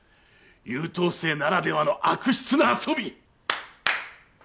優等生ならではの悪質な遊び！